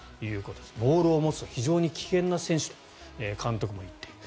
ボールを持つと非常に危険な選手と監督も言っている。